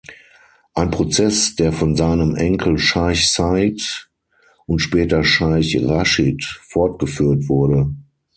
Ein Prozess, der von seinem Enkel Scheich Said und später Scheich Raschid fortgeführt wurde.